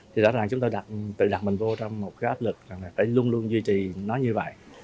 thì rõ ràng chúng tôi tự đặt mình vô trong một gác lực phải luôn luôn duy trì nó như vậy